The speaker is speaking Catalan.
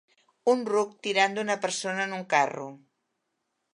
Un ruc tirant d'una persona en un carro.